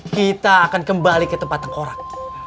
kita akan kembali ke tempat tengkorak